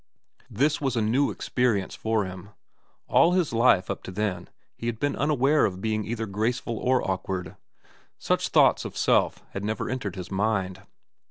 This was a new experience for him. All his life, up to then, he had been unaware of being either graceful or awkward. Such thoughts of self had never entered his mind.